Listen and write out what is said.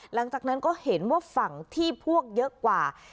หลังจากนั้นก็เห็นว่าฝั่งที่พวกเยอะกว่า